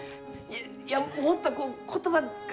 いや、もっと、こう、言葉が。